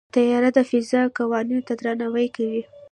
طیاره د فضا قوانینو ته درناوی کوي.